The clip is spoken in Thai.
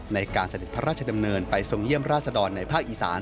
ในการสนิทพระราชดำเนินไปทรงเยี่ยมราษฎรในภาคอีสาน